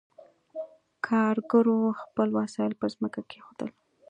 کارګرو خپل وسایل پر ځمکه کېښودل.